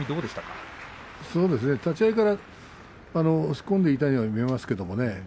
立ち合いから押し込んでいたように見えましたけどね。